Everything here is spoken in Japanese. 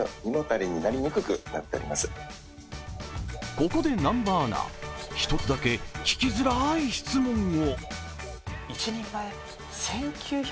ここで南波アナ、１つだけ聞きづらい質問を。